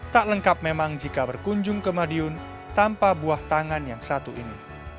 tak lengkap memang jika berkunjung ke madiun tanpa buah tangan yang satu ini